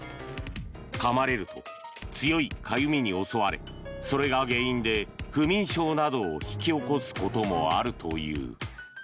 かまれると強いかゆみに襲われそれが原因で不眠症などを引き起こすこともあるという。